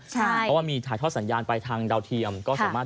เพราะว่ามีถ่ายทอดสัญญาณทางดาวเทียม